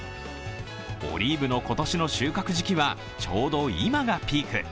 オリーブの今年の収穫時期はちょうど今がピーク。